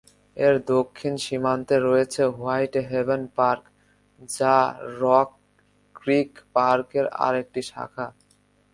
এর দক্ষিণ সীমান্তে রয়েছে হোয়াইটহেভেন পার্ক, যা রক ক্রিক পার্কের আরেকটি শাখা।